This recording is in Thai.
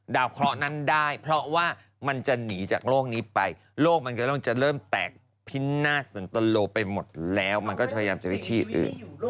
โลกหมายก็เรียกว่ามนุษย์ต่างดาวเนอะคุณแม่